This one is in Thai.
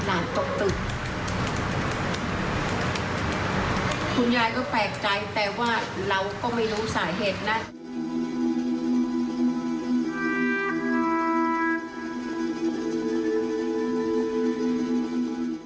ตกตึกคุณยายก็แปลกใจแต่ว่าเราก็ไม่รู้สาเหตุนะ